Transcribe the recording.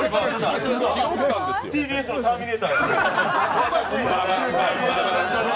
ＴＢＳのターミネーターや。